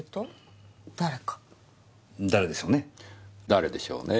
誰でしょうね？